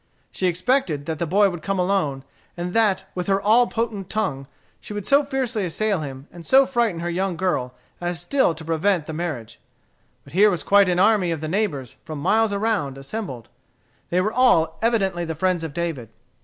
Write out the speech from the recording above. She expected that the boy would come alone, and that, with her all potent tongue, she would so fiercely assail him and so frighten her young girl as still to prevent the marriage. But here was quite an army of the neighbors, from miles around, assembled. They were all evidently the friends of David.